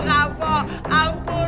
aku tuh kapok